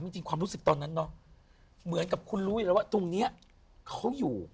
จริงความรู้สึกตอนนั้นเนาะเหมือนกับคุณรู้อยู่แล้วว่าตรงนี้เขาอยู่